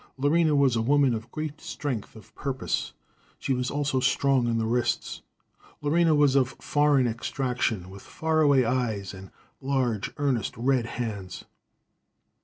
Lorena was a woman of great strength of purpose. She was also strong in the wrists. Lorena was of foreign extraction, with far away eyes and large, earnest red hands.